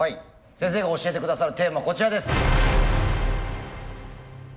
先生が教えて下さるテーマはこちらです。